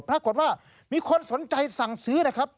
ปรากฏว่ามีคนสนใจสั่งซื้อนะครับ